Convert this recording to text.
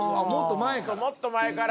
もっと前から？